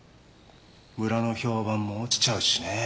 村の評判も落ちちゃうしねえ。